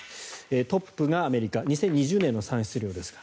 トップがアメリカ２０２０年の産油量ですが。